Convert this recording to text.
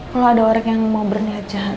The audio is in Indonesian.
kalau ada orang yang mau berniat jahat